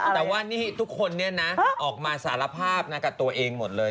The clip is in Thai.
แต่ว่านี่ทุกคนเนี่ยนะออกมาสารภาพกับตัวเองหมดเลย